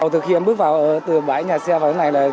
từ khi em bước vào bãi nhà xe